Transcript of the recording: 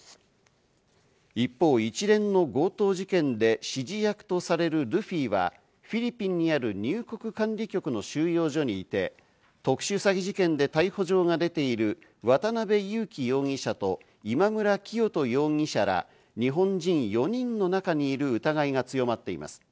一方、一連の強盗事件で指示役とされるルフィは、フィリピンにある入国管理局の収容所にいて、特殊詐欺事件で逮捕状が出ている渡辺優樹容疑者と今村磨人容疑者ら日本人４人の中にいる疑いが強まっています。